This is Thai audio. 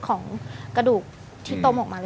ของกระดูกที่ตมออกมา